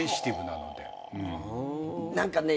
何かね